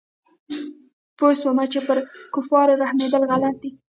پوه سوم چې پر کفارو رحمېدل غلط دي.